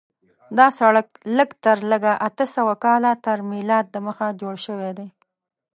دا سړک لږ تر لږه اته سوه کاله تر میلاد دمخه جوړ شوی دی.